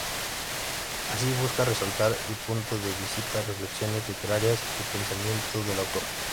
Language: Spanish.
Así busca resaltar el punto de vista, reflexiones literarias y pensamiento del autor.